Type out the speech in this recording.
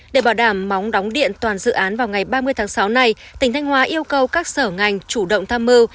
để bảo đảm móng đóng điện toàn dự án vào ngày ba mươi tháng sáu này tỉnh thanh hóa yêu cầu các sở ngành chủ động tham mưu